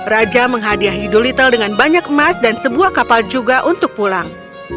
raja menghadiahi dolittle dengan banyak emas dan sebuah kapal juga untuk pulang